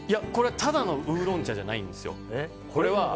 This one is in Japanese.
ただのウーロン茶じゃないんですよ。